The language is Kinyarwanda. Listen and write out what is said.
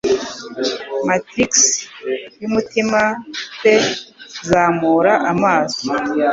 Matrix yumutima pe zamura amaso